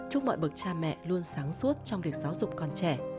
chúc mọi bậc cha mẹ luôn sáng suốt trong việc giáo dục con trẻ